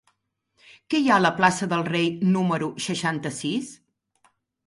Què hi ha a la plaça del Rei número seixanta-sis?